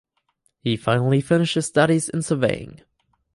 He finally finished his studies in Surveying.